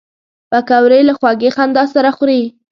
پکورې له خوږې خندا سره خوري